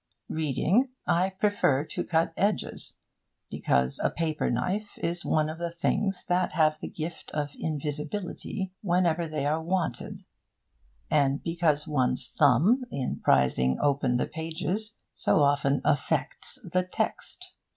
Reading, I prefer cut edges, because a paper knife is one of the things that have the gift of invisibility whenever they are wanted; and because one's thumb, in prising open the pages, so often affects the text.